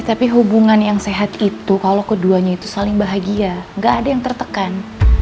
tapi hubungan yang sehat itu kalau keduanya itu saling bahagia gak ada yang tertekan